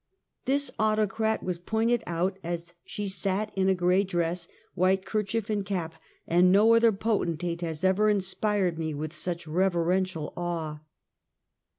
This autocrat was pointed out, as she sat in a gray dress, white 'kerchief and cajD, and no other po tentate has ever inspired me with snch reverential awe.